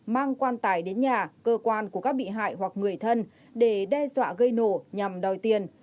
mang quan tài đến nhà cơ quan của các bị hại hoặc người thân để đe dọa gây nổ nhằm đòi tiền